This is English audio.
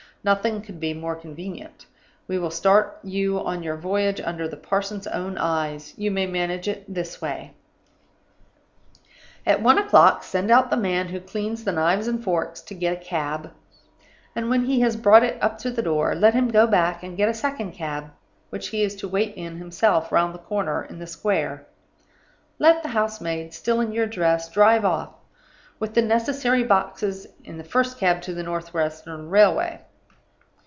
Nothing could be more convenient; we will start you on your voyage under the parson's own eyes. You may manage it in this way: "At one o'clock send out the man who cleans the knives and forks to get a cab; and when he has brought it up to the door, let him go back and get a second cab, which he is to wait in himself, round the corner, in the square. Let the house maid (still in your dress) drive off, with the necessary boxes, in the first cab to the North western Railway.